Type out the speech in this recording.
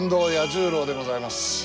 十郎でございます。